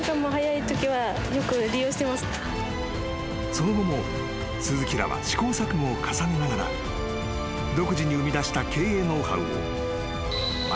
［その後も鈴木らは試行錯誤を重ねながら独自に生みだした］